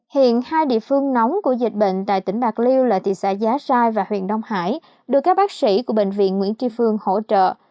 hiện hai địa phương nóng của dịch bệnh tại tỉnh bạc liêu là thị xã giá sai và huyện đông hải được các bác sĩ của bệnh viện nguyễn tri phương hỗ trợ